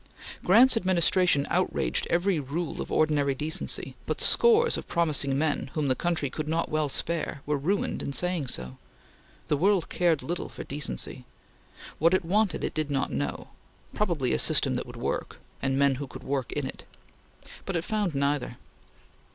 Grant's administration outraged every rule of ordinary decency, but scores of promising men, whom the country could not well spare, were ruined in saying so. The world cared little for decency. What it wanted, it did not know; probably a system that would work, and men who could work it; but it found neither.